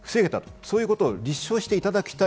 そういうことを立証していただきたい。